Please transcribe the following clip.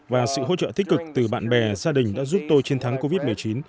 và sự hỗ trợ tích cực từ bạn bè gia đình đã giúp tôi chiến thắng covid một mươi chín